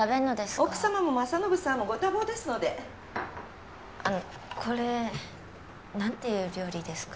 奥様も政信さんもご多忙ですのであのこれ何ていう料理ですか？